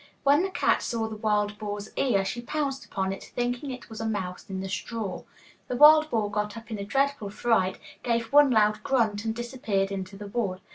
When the cat saw the wild boar's ear, she pounced upon it, thinking it was a mouse in the straw. The wild boar got up in a dreadful fright, gave one loud grunt and disappeared into the wood.